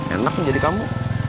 enak menjadi kamu